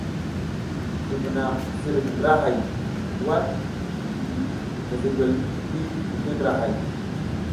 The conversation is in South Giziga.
Dubuna sirik drahaya waɗ gi mezegwel ngi dideʼe ndrahay.